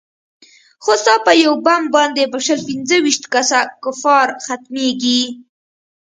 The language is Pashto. خو ستا په يو بم باندې به شل پينځه ويشت کسه کفار ختميګي.